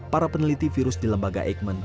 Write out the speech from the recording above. para peneliti virus di lembaga eijkman